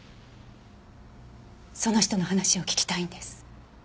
その人の話を聞きたいんです。